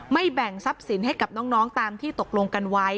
แบ่งทรัพย์สินให้กับน้องตามที่ตกลงกันไว้